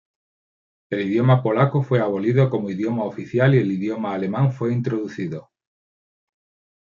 El idioma polaco fue abolido como idioma oficial y el idioma alemán fue introducido.